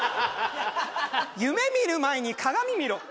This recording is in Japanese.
夢見る前に鏡見ろ